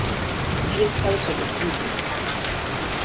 The team's colors were black and blue.